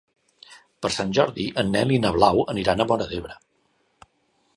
Per Sant Jordi en Nel i na Blau aniran a Móra d'Ebre.